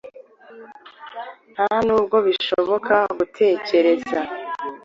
Ntanubwo bishoboka gutekereza